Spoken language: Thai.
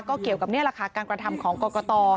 ก็เกี่ยวกับนี่แหละค่ะการกระทำของกรกต